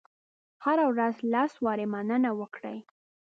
هره ورځ لس وارې مننه وکړئ.